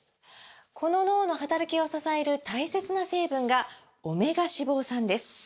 この脳の働きを支える大切な成分が「オメガ脂肪酸」です！